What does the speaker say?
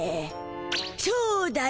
そうだ！